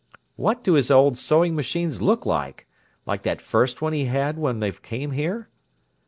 "What do his old sewing machines look like? Like that first one he had when they came here?"